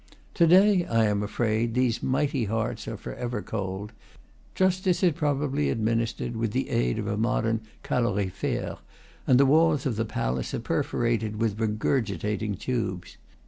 To day, I am afraid, these mighty hearts are forever cold; justice it probably administered with the aid of a modern calorifere, and the walls of the palace are perforated with regurgitating tubes.